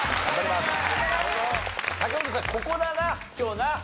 ここだな今日な。